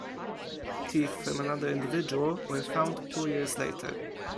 Teeth from another individual were found two years later.